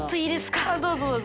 どうぞどうぞ。